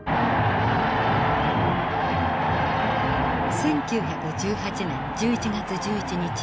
１９１８年１１月１１日。